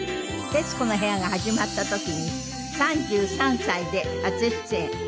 『徹子の部屋』が始まった時に３３歳で初出演。